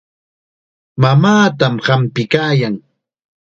Mamaatam hampiykaayan.